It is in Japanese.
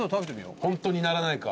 ホントに鳴らないか。